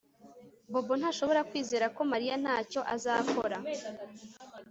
Bobo ntashobora kwizera ko Mariya ntacyo azakora